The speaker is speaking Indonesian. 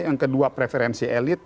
yang kedua preferensi elit